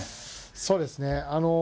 そうですね。